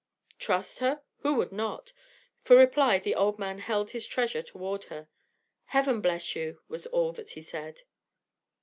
Trust her? Who would not? For reply the old man held his treasure toward her. "Heaven bless you," was all that he said.